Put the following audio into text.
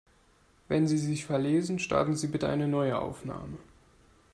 Wenn Sie sich verlesen, starten Sie bitte eine neue Aufnahme.